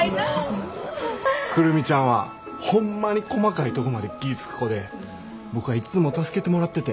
久留美ちゃんはホンマに細かいとこまで気ぃ付く子で僕はいっつも助けてもらってて。